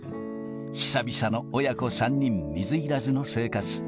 久々の親子３人水入らずの生活。